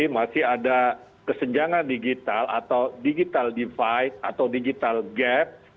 jadi ada kesenjangan digital atau digital divide atau digital gap